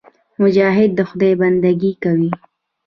مجاهد د خدای بندګي کوي.